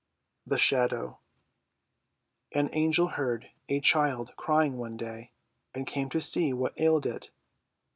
THE SHADOW An Angel heard a child crying one day, and came to see what ailed it.